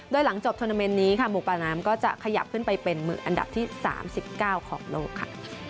โดยหลังจบทวนาเมนต์นี้ค่ะหมูป่าน้ำก็จะขยับขึ้นไปเป็นมืออันดับที่๓๙ของโลกค่ะ